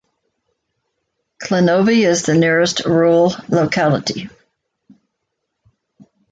Klinovy is the nearest rural locality.